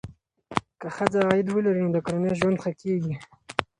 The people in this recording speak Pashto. که ښځه عاید ولري، نو د کورنۍ ژوند ښه کېږي.